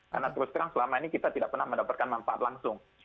karena terus terang selama ini kita tidak pernah mendapatkan manfaat langsung